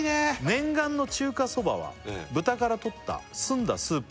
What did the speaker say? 「念願の中華そばは」「豚からとった澄んだスープに」